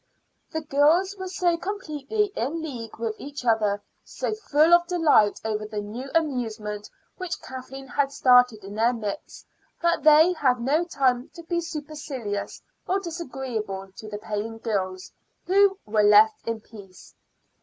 The girls were so completely in league with each other, so full of delight over the new amusement which Kathleen had started in their midst, that they had no time to be supercilious or disagreeable to the paying girls, who were left in peace.